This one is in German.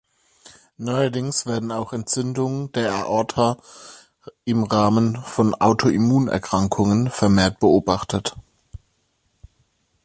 Neuerdings werden auch Entzündungen der Aorta im Rahmen von Autoimmunerkrankungen vermehrt beobachtet.